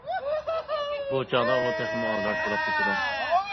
بۇ چاغدا ئۇ تېخىمۇ ئالدىراش بولۇپ كېتىدۇ.